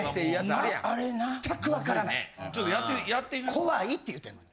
怖いって言うてんのに。